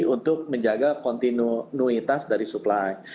untuk menjaga kontinuitas dari supply